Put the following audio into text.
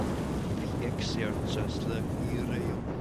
Vi ekserĉas la kuirejon.